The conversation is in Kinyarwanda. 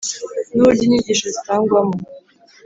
N uburyo inyigisho zitangwamo